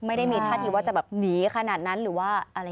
ไม่ได้มีท่าทีว่าจะแบบหนีขนาดนั้นหรือว่าอะไร